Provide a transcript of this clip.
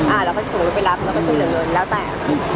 เราก็ขับรถไปรับแล้วก็ช่วยเหลือเงินแล้วแต่